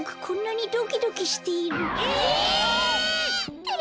こんなにドキドキしている。えっ！？